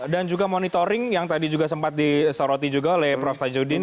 dan juga monitoring yang tadi juga sempat disoroti juga oleh prof tajudin